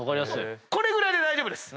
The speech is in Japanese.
これぐらいで大丈夫です。